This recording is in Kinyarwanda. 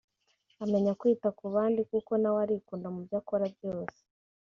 amenya kwita ku bandi kuko nawe arikunda mu byo akora byose